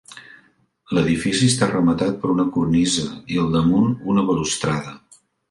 L'edifici està rematat per una cornisa i al damunt una balustrada.